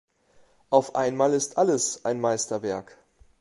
Auf einmal ist alles ein Meisterwerk.